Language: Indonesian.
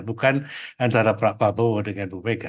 bukan antara pak prabowo dengan bu mega